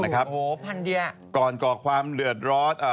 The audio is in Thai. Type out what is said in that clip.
ก่อนก่อกว่าความเหลือร้อน